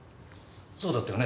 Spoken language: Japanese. そうだったよね？